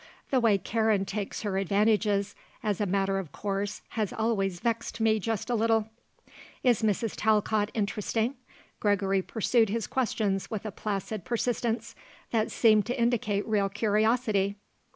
The way Karen takes her advantages as a matter of course has always vexed me just a little." "Is Mrs. Talcott interesting?" Gregory pursued his questions with a placid persistence that seemed to indicate real curiosity.